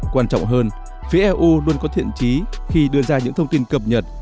quan trọng hơn phía eu luôn có thiện trí khi đưa ra những thông tin cập nhật